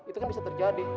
itu kan bisa terjadi